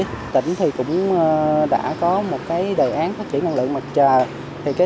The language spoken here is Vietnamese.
tỉnh cũng đã có một đề án phát triển năng lượng mặt trời